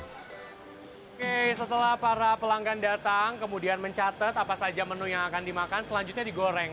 oke setelah para pelanggan datang kemudian mencatat apa saja menu yang akan dimakan selanjutnya digoreng